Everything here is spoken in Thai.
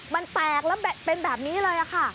มันแตกแล้วเป็นแบบนี้เลยค่ะ